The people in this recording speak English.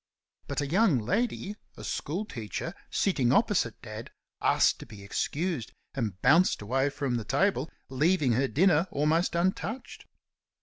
But a young lady, a school teacher, sitting opposite Dad, asked to be excused, and bounced away from the table leaving her dinner almost untouched.